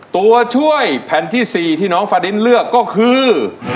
ตัวช่วยแผ่นที่๔ที่น้องฟาดินเลือกก็คือ